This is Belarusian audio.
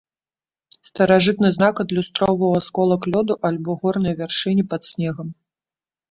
Старажытны знак адлюстроўваў асколак лёду альбо горныя вяршыні пад снегам.